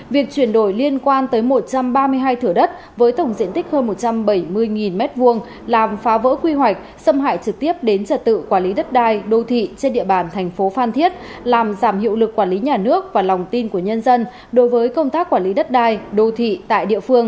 việc chuyển đổi liên quan tới một trăm ba mươi hai thửa đất với tổng diện tích hơn một trăm bảy mươi m hai làm phá vỡ quy hoạch xâm hại trực tiếp đến trật tự quản lý đất đai đô thị trên địa bàn thành phố phan thiết làm giảm hiệu lực quản lý nhà nước và lòng tin của nhân dân đối với công tác quản lý đất đai đô thị tại địa phương